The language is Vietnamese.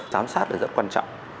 giám sát là rất quan trọng